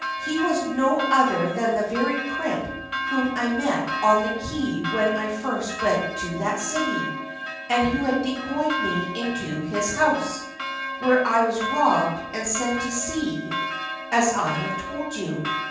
He was no other than the very crimp whom I met on the quay when I first went to that city, and who had decoyed me into his house, where I was robbed and sent to sea as I have told you.